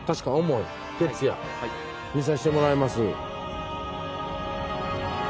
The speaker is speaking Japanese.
見させてもらいます。